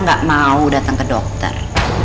nggak mau datang ke dokter